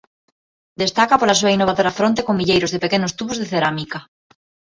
Destaca pola súa innovadora fronte con milleiros de pequenos tubos de cerámica.